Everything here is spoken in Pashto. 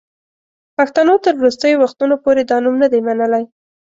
پښتنو تر وروستیو وختونو پوري دا نوم نه دی منلی.